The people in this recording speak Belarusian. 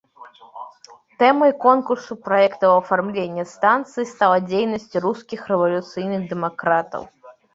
Тэмай конкурсу праектаў афармлення станцыі стала дзейнасць рускіх рэвалюцыйных дэмакратаў.